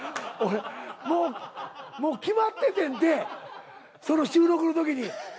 もう決まっててんてその収録の時に。